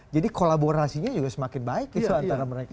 jadi kolaborasinya juga semakin baik itu antara mereka